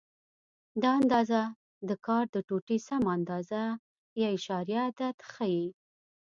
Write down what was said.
دا اندازه د کار د ټوټې سمه اندازه یا اعشاریه عدد ښیي.